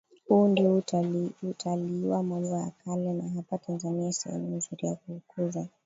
Huu ndio utaliiwa mambo ya kale na hapa Tanzania ni sehemu nzuri ya kuukuza